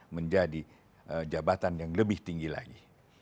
menjadi jabatan yang lebih tinggi lagi